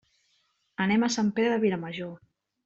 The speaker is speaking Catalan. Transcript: Anem a Sant Pere de Vilamajor.